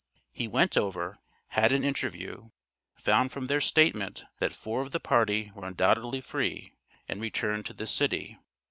He went over, had an interview, found from their statement, that four of the party were undoubtedly free, and returned to this city.